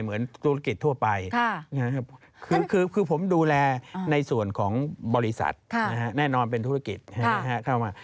เหมือนธุรกิจทั่วไปคือผมดูแลในส่วนของบริษัทแน่นอนเป็นธุรกิจเข้ามา